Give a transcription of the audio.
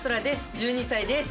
１２歳です。